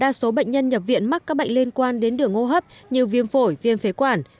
đa số bệnh nhân nhập viện mắc các bệnh liên quan đến đường hô hấp như viêm phổi viêm phế quản